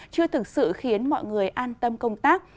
chưa thực sự khiến mọi người an tâm công tác